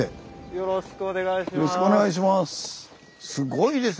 よろしくお願いします。